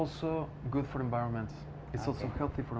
baik untuk lingkungan juga sehat untuk lingkungan